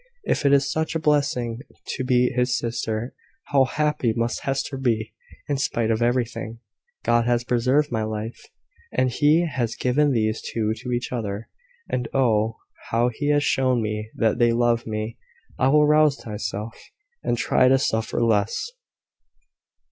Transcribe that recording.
If it is such a blessing to be his sister, how happy must Hester be in spite of everything! God has preserved my life, and He has given these two to each other! And, oh, how He has shown me that they love me! I will rouse myself, and try to suffer less."